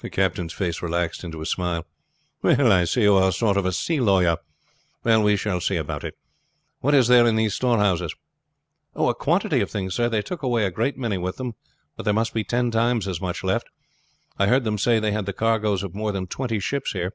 The captain's face relaxed into a smile. "I see you are a sort of sea lawyer. Well, we shall see about it. What is there in these storehouses?" "A quantity of things, sir. They took away a great many with them, but there must be ten times as much left. I heard them say they had the cargoes of more than twenty ships here."